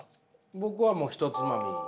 僕はもう「ひとつまみ」。